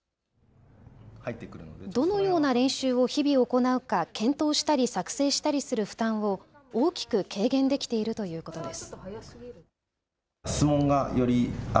どのような練習を日々行うか検討したり、作成したりする負担を大きく軽減できているということです。